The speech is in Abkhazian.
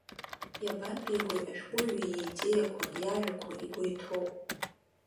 Иабантәигои ашәҟәыҩҩы иидеиақәа, иажәақәа, игәы иҭоу?